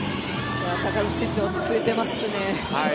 高田選手落ち着いていますね。